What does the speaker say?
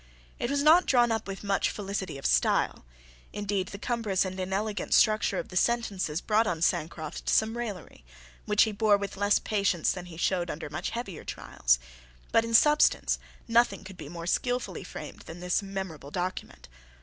It was not drawn up with much felicity of style. Indeed, the cumbrous and inelegant structure of the sentences brought on Sancroft some raillery, which he bore with less patience than he showed under much heavier trials. But in substance nothing could be more skilfully framed than this memorable document.